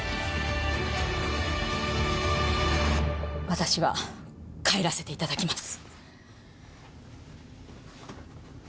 私は帰らせて頂きます。